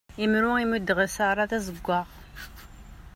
Imru i muddeɣ i Sarah d azeggaɣ.